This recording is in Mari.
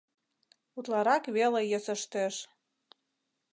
Утларак веле йӧсештеш.